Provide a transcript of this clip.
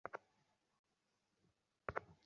এখানে সেখানে না থেকে সোজা বাসায় চলে আয়!